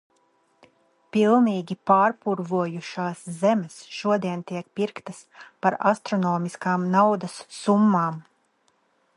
Pilnīgi pārpurvojušās zemes šodien tiek pirktas par astronomiskām naudas summām.